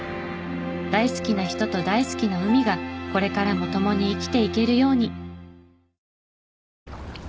大好きな人と大好きな海がこれからも共に生きていけるように。